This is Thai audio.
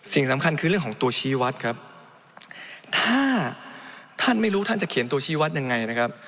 สิ่งสำคัญคือเรื่องของตัวชี้วัดครับถ้าท่านไม่รู้ท่านจะเขียนตัวชี้วัดยังไงนะครับ